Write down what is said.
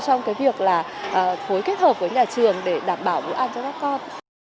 trong cái việc là phối kết hợp với nhà trường để đảm bảo bữa ăn cho các con